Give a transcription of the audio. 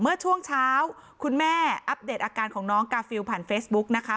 เมื่อช่วงเช้าคุณแม่อัปเดตอาการของน้องกาฟิลผ่านเฟซบุ๊กนะคะ